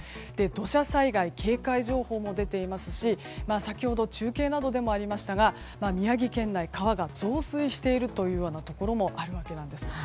土砂災害警戒情報も出ていますし先ほど中継などでもありましたが宮城県内川が増水しているようなところもあるわけです。